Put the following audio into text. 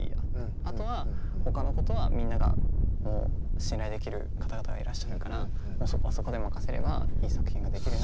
あとはほかのことはみんなが信頼できる方々がいらっしゃるからもうそこはそこで任せればいい作品ができるなっていう。